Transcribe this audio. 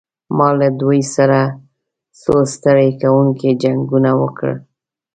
ما له دوی سره څو ستړي کوونکي جنګونه وکړل.